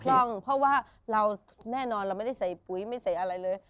ร่องเพราะว่าเราแน่นอนเราไม่ได้ใส่ปุ๋ยไม่ใส่อะไรเลย